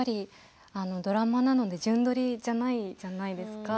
ドラマなので順繰りじゃないじゃないですか。